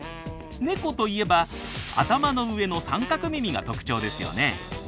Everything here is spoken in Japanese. ネコといえば頭の上の三角耳が特徴ですよね。